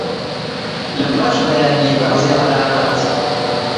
لەپاش بەیانی بەعزێ عەلامەت